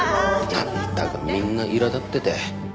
なんだかみんないら立ってて。